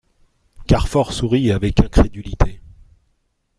Carfor sourit avec incrédulité.